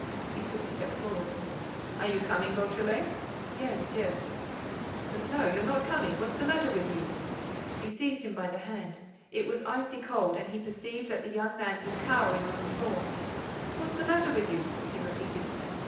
He took a step forward. "Are you coming, Beautrelet?" "Yes, yes." "But no, you're not coming—What's the matter with you?" He seized him by the hand. It was icy cold and he perceived that the young man was cowering on the floor. "What's the matter with you?" he repeated.